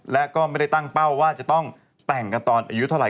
และก็ไม่ได้ตั้งเป้าว่าจะต้องแต่งกันตอนอายุเท่าไห